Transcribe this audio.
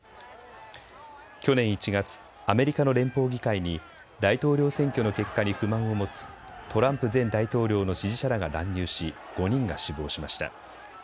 去年１月、アメリカの連邦議会に大統領選挙の結果に不満を持つトランプ前大統領の支持者らが乱入し５人が死亡しました。